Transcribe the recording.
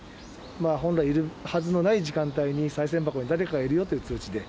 本来いるはずのない時間帯に、さい銭箱に誰かがいるよという通知で。